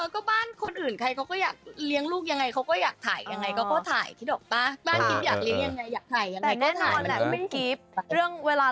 ก็มองเป็นเรื่องสนุกอะค่ะ